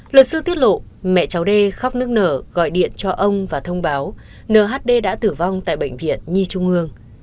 luật sư tiết lộ mẹ cháu d khóc nước nở gọi điện cho ông và thông báo nhd đã tử vong tại bệnh viện nhi trung hương